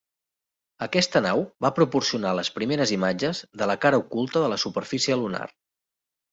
Aquesta nau va proporcionar les primeres imatges de la cara oculta de la superfície lunar.